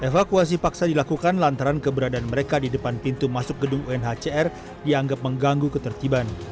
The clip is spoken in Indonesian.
evakuasi paksa dilakukan lantaran keberadaan mereka di depan pintu masuk gedung unhcr dianggap mengganggu ketertiban